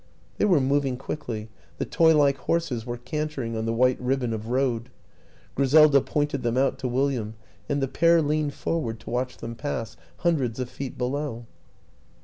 They were moving quickly; the toy like horses were cantering on the white ribbon of road. Griselda pointed them out to William, and the pair leaned forward to watch them pass, hundreds of feet below.